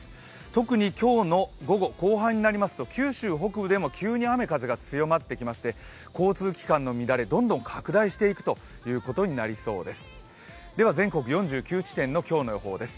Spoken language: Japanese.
特に今日の午後、後半になりますと九州北部でも急に雨風が強まってきまして交通機関の乱れどんどん拡大していくということになりそうです。